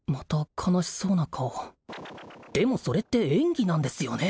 悲しそうな顔でもそれって演技なんですよね？